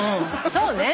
そうね。